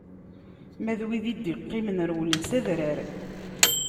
Ma d wid i d-iqqimen rewlen s adrar.